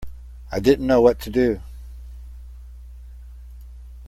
I didn't know what to do.